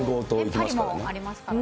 パリもありますからね。